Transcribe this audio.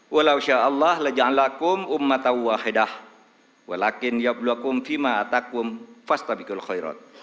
walau sya'allah laja'alakum ummataw wahidah walakin ya'bulakum fima'atakum fastabikul khairat